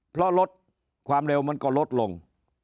เพราะรถความเร็วมันก็ลดลง